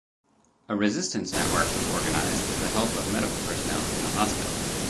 A resistance network was organized with the help of medical personnel in the hospital.